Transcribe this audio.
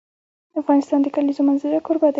افغانستان د د کلیزو منظره کوربه دی.